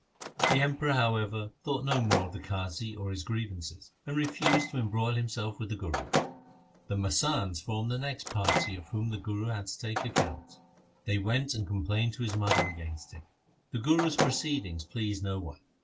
The Emperor, how ever, thought no more of the Qazi or his grievances, and refused to embroil himself with the Guru. The masands formed the next party of whom the Guru had to take account. They went and complained to his mother against him :' The Guru's proceedings please no one.